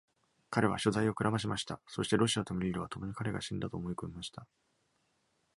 彼は所在をくらましました。そして、ロシアとムリードはともに彼が死んだと思い込みました。